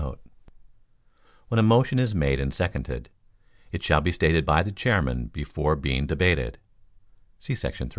] When a motion is made and seconded, it shall be stated by the Chairman before being debated [see § 3].